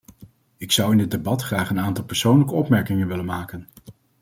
Ik zou in dit debat graag een aantal persoonlijke opmerkingen willen maken.